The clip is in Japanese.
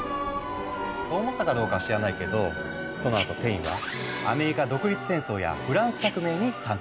そう思ったかどうかは知らないけどそのあとペインはアメリカ独立戦争やフランス革命に参加。